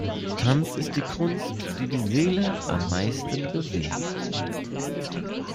Tanz ist die Kunst, die die Seele am meisten bewegt.